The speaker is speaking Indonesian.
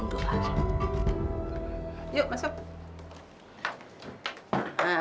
untuk sementara kamu sekamar dengan kakakmu alda ya